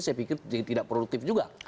saya pikir tidak produktif juga